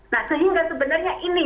nah sehingga sebenarnya ini